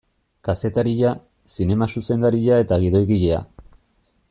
Kazetaria, zinema zuzendaria eta gidoigilea.